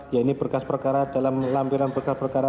ya ini berkas perkara dalam lampiran berkas perkara